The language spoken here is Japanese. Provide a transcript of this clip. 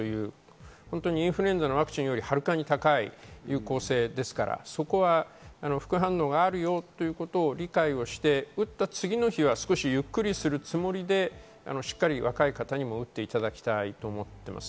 インフルエンザのワクチンよりはるかに高いという有効性ですから、副反応があるよということを理解して次の日はゆっくりする気持ちで若い方にも打っていただきたいと思っています。